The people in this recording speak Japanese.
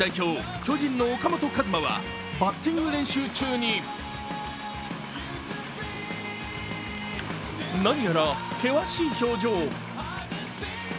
巨人の岡本和真はバッティング練習中に何やら険しい表情。